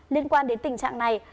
liên quan đến tình trạng này